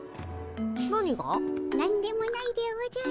何でもないでおじゃる。